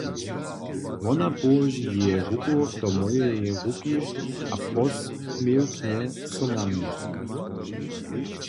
Wona połoži jeje ruku do mojeje ruki a posměwknje so na mnje.